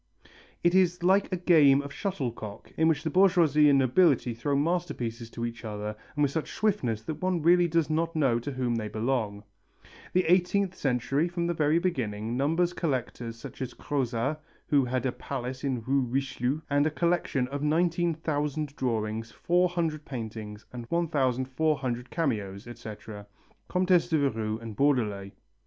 _) "It is like a game of shuttlecock in which the bourgeoisie and nobility throw masterpieces to each other and with such swiftness that one really does not know to whom they belong." The eighteenth century, from the very beginning, numbers collectors such as Crozat, who had a palace in Rue Richelieu and a collection of 19,000 drawings, 400 paintings and 1400 cameos, etc., Comtesse de Verrue and Baudelet.